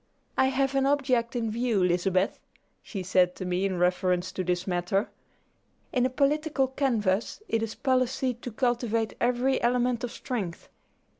"I have an object in view, Lizabeth," she said to me in reference to this matter. "In a political canvass it is policy to cultivate every element of strength.